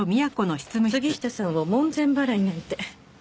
杉下さんを門前払いなんて。